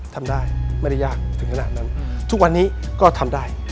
ทำได้ไม่ได้ยากถึงขนาดนั้นทุกวันนี้ก็ทำได้